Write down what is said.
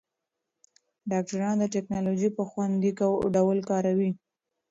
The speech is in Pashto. ډاکټران ټېکنالوژي په خوندي ډول کاروي.